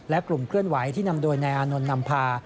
และกลุ่มเคลื่อนไหวที่นำโดยนายอานนท์นำพา